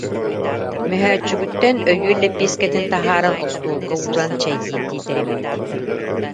Мөһөөччүгүттэн өйүө лэппиэскэтин таһааран остуолга ууран чэйдиирдии тэриммит